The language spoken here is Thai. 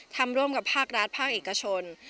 ร่วมกับภาครัฐภาคเอกชน